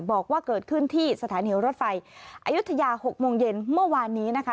บอกว่าเกิดขึ้นที่สถานีรถไฟอายุทยา๖โมงเย็นเมื่อวานนี้นะคะ